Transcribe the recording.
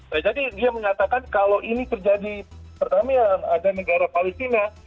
nah jadi dia menyatakan kalau ini terjadi pertama ya ada negara palestina